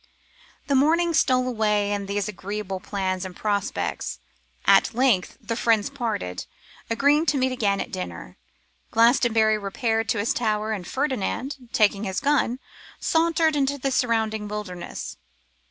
The morning stole away in these agreeable plans and prospects. At length the friends parted, agreeing to meet again at dinner. Glastonbury repaired to his tower, and Ferdinand, taking his gun, sauntered into the surrounding wilderness.